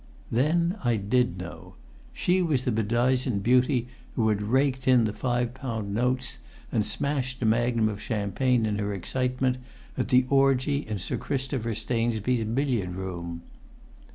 Then I did know. She was the bedizened beauty who had raked in the five pound notes, and smashed a magnum of champagne in her excitement, at the orgy in Sir Christopher Stainsby's billiard room.